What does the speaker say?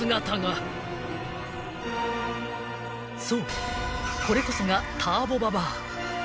［そうこれこそがターボババア］